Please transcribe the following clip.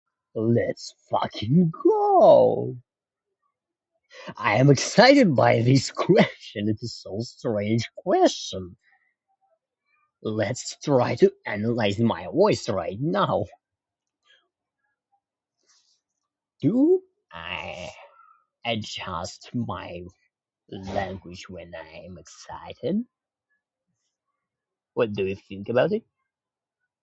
Let's fucking go! I am excited by this question, it is so strange question! Let's try to analyze my voice right now. Do I adjust my language when I am excited? What do you think about it?